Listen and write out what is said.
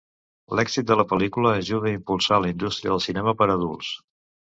L'èxit de la pel·lícula ajudà a impulsar la indústria del cinema per a adults.